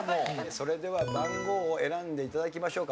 それでは番号を選んで頂きましょうか。